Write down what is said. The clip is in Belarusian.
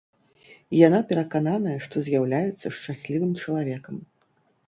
Яна перакананая, што з'яўляецца шчаслівым чалавекам.